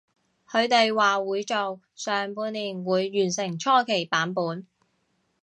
佢哋話會做，上半年會完成初期版本